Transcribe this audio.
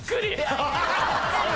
ハハハハ！